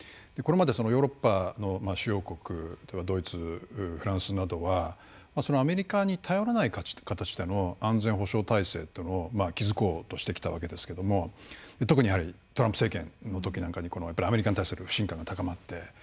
これまでヨーロッパの主要国ドイツ、フランスなどはアメリカに頼らない形での安全保障体制というのを築こうとしてきたわけですけども特にトランプ政権のときなんかにアメリカに対する不信感が高まって。